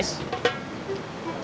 mungkin ada halannya